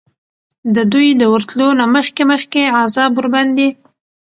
د دوی د ورتلو نه مخکي مخکي عذاب ورباندي